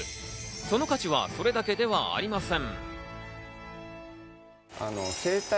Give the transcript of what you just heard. その価値はそれだけではありません。